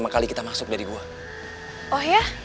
bakal buka pihak